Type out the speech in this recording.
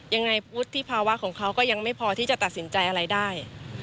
ยังไงพูดที่ภาวะของเขาก็ยังไม่พอที่จะตัดสินใจอะไรได้